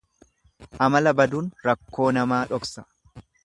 Amala baduun rakkoo namaa dhoksa.